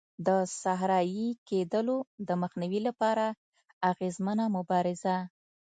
د صحرایې کېدلو د مخنیوي لپاره اغېزمنه مبارزه.